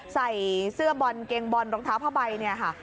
ใส่เสื้อบอลเกงบอลรองเท้าผ้าใบเนี่ยค่ะ